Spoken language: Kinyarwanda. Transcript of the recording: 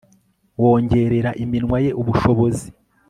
wongerera iminwa ye ubushobozi